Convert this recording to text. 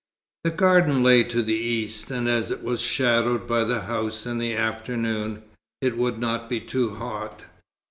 The garden lay to the east, and as it was shadowed by the house in the afternoon, it would not be too hot.